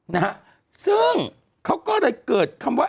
นะฮะซึ่งเขาก็เลยเกิดคำว่า